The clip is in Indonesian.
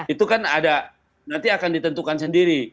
itu kan ada nanti akan ditentukan sendiri